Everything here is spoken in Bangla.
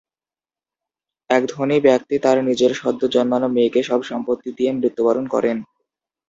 এক ধনী ব্যক্তি তার নিজের সদ্য জন্মানো মেয়েকে সব সম্পত্তি দিয়ে মৃত্যুবরণ করেন।